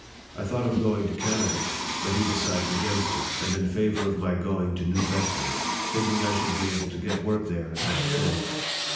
I thought of going to Canada ; but he decided against it, and in favor of my going to New Bedford, thinking I should be able to get work there at my trade.